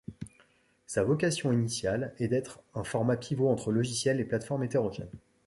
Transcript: Sa vocation initiale est d'être un format pivot entre logiciels et plates-formes hétérogènes.